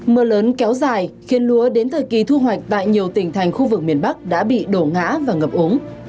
mưa lớn kéo dài khiến lúa đến thời kỳ thu hoạch tại nhiều tỉnh thành khu vực miền bắc đã bị đổ ngã và ngập ống